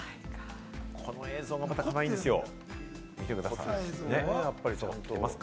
この映像もまた、かわいいんですよ。